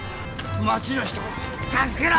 町の人を助けろ！